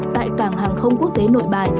tại cảng hàng không quốc tế nội bài